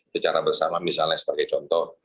secara bersama misalnya sebagai contoh